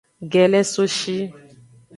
Gelesoshi.